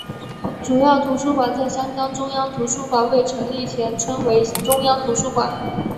主要图书馆在香港中央图书馆未成立前称为中央图书馆。